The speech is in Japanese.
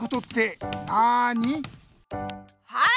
はい！